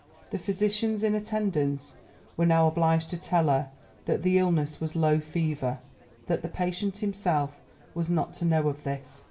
The physicians in attendance were now obliged to tell her that the illness was low fever, but that the patient himself was not to know of this.